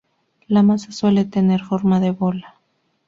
La masa suele tener forma de bola.